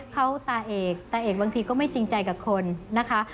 เขาตาเอกตาเอกบางทีก็ไม่จริงใจกับคนนะคะ